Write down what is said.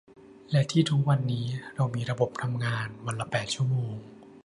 และที่ทุกวันนี้เรามีระบบทำงานวันละแปดชั่วโมง